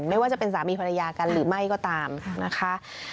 ไม่ว่าจะเป็นสามีภรรยากันหรือไม่ก็ตามนะคะ